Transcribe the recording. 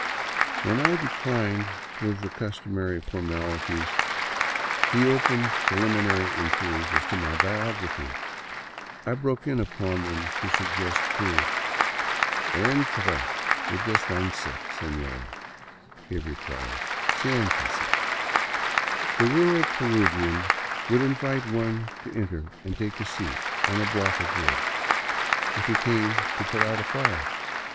When I declined with the customary formalities, he opened pre liminary inquiries as to my biography. I broke in upon them to sug gest food. " Entra y descansa, sefior," he replied, '' Sientese." The rural Peruvian would invite one to enter and take a seat — on a block of wood — if he came to put out a fire.